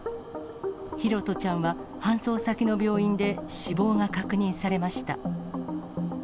拓杜ちゃんは搬送先の病院で死亡が確認されました。